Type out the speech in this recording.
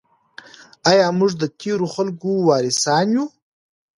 آیا موږ د تیرو خلګو وارثان یو؟